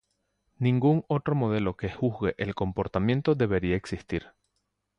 Ningún otro modelo que juzgue el comportamiento debería existir.